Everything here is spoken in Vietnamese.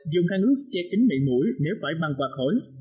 dùng khăn ướt che kính mị mũi nếu phải băng qua khối